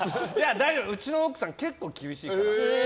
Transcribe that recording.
大丈夫、うちの奥さん結構厳しいから。